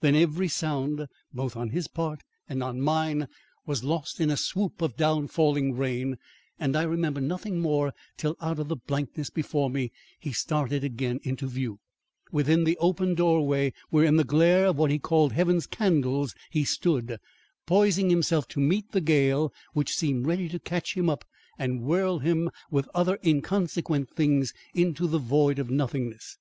Then every sound both on his part and on mine was lost in a swoop of down falling rain and I remember nothing more till out of the blankness before me, he started again into view, within the open doorway where in the glare of what he called heaven's candles he stood, poising himself to meet the gale which seemed ready to catch him up and whirl him with other inconsequent things into the void of nothingness.